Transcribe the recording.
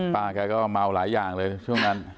ป้าแกก็เมาหลายอย่างเลยช่วงนั้น